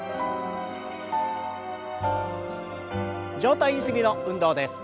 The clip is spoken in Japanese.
上体ゆすりの運動です。